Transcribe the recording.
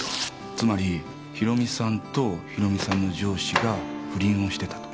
つまり博美さんと博美さんの上司が不倫をしてたと。